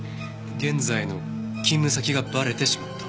現在の勤務先がばれてしまった。